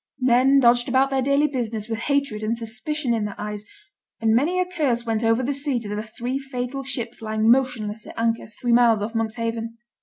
Men dodged about their daily business with hatred and suspicion in their eyes, and many a curse went over the sea to the three fatal ships lying motionless at anchor three miles off Monkshaven.